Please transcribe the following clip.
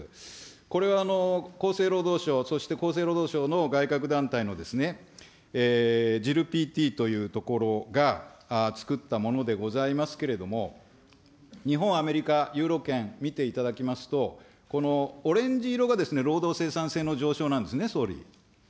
これは、厚生労働省、そして厚生労働省の外郭団体のジルピーテーというところが作ったものでございますけれども、日本、アメリカ、ユーロ圏、見ていただきますと、このオレンジ色が労働生産性の上昇なんですね、総理。